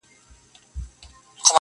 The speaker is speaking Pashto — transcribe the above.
بې خبره له جهانه.!